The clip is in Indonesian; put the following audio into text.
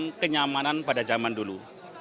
dan kenyamanan pada zaman dulu